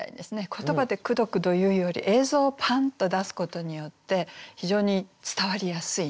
言葉でくどくど言うより映像をパンッと出すことによって非常に伝わりやすいんですね